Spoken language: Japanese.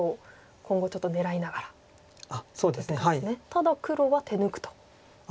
ただ黒は手抜くと。